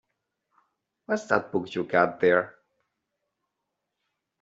What's that book you've got there?